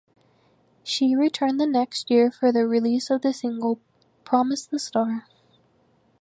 She returned the next year for the release of the single "Promise the Star".